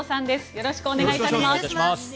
よろしくお願いします。